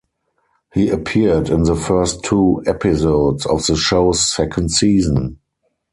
He appeared in the first two episodes of the show's second season.